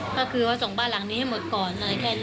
ก็คือว่าส่งบ้านหลังนี้ให้หมดก่อนอะไรแค่นี้